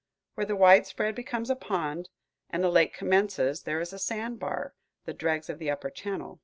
Where the widespread becomes a pond, and the lake commences, there is a sandbar, the dregs of the upper channel.